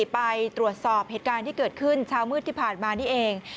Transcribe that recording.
ไปตรวจสอบเหตุการณ์ที่เกิดขึ้นเช้ามืดที่ผ่านมานี่เอง